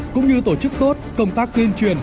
cũng như tổ chức tốt công tác tuyên truyền